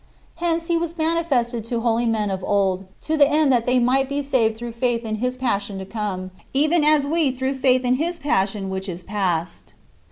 Hence he was manifested to holy men of old, to the end that they might be saved through faith in his Passion to come, even as we through faith in his Passion which is past.